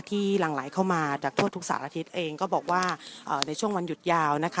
หลั่งไหลเข้ามาจากทั่วทุกสารทิตย์เองก็บอกว่าในช่วงวันหยุดยาวนะคะ